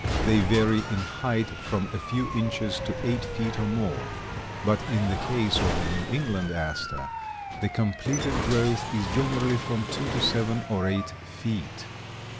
They vary in height from a few inches to eight feet or more, but in the case of the New England Aster, the completed growth is generally from two to seven or eight feet.